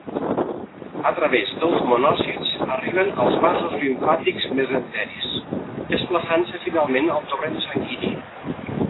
A través dels monòcits arriben als vasos limfàtics mesenteris, desplaçant-se finalment al torrent sanguini.